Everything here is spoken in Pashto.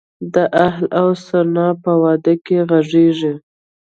دهل او سرنا په واده کې غږیږي؟